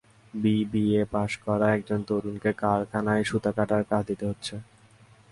BBA pass করা একজন তরুণকে কারখানায় সুতা কাটার কাজ দিতে হচ্ছে।